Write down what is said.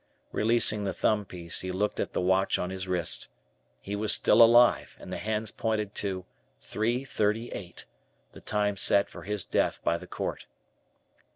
Releasing the thumb piece, he looked at the watch on his wrist. He was still alive, and the hands pointed to "3:38," the time set for his death by the court.